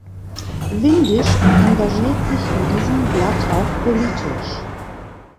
Windisch engagiert sich in diesem Blatt auch politisch.